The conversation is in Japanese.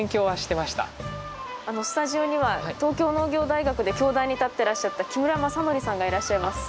スタジオには東京農業大学で教壇に立ってらっしゃった木村正典さんがいらっしゃいます。